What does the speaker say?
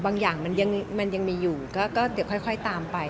บางอย่างมันยังมีอยู่ก็เดี๋ยวค่อยตามไป